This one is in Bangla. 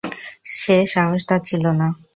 সে সাহস তার ছিল না।